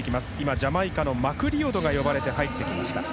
ジャマイカのマクリオドが入っていきました。